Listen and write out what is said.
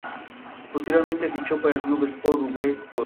Ella tiene el sobrenombre de la "Dama alegre", debido a su personalidad.